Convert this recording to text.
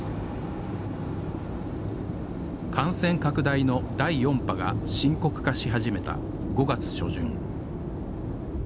感染拡大の第４波が深刻化し始めた５月初旬